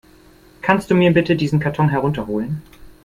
Kannst du mir bitte diesen Karton herunter holen?